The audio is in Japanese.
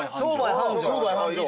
商売繁昌。